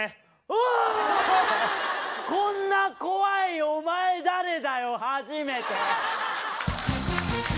こんな怖いお前誰だよ初めて。